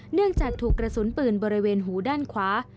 จากถูกกระสุนปืนบริเวณหูด้านขวา